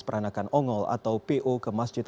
peranakan ongol atau po ke masjid